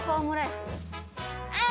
あ！